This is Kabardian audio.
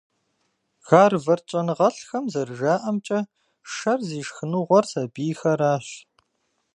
Гарвард щӀэныгъэлӀхэм зэрыжаӀэмкӀэ, шэр зи шхыныгъуэр сабийхэращ.